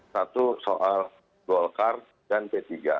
satu soal golkar dan p tiga